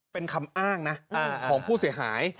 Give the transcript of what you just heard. เป็นคำอ้างนะของผู้เสียหาย